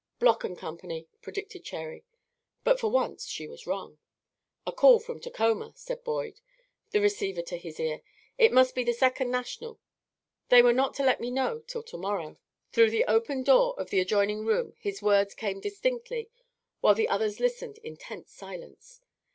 "Bloc & Company," predicted Cherry, but for once she was wrong. "A call from Tacoma," said Boyd, the receiver to his ear; "it must be the Second National. They were not to let me know till to morrow." Through the open door of the adjoining room his words came distinctly, while the others listened in tense silence.